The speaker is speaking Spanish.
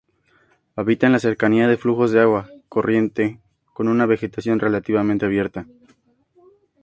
Habita en la cercanía de flujos de agua corriente con una vegetación relativamente abierta.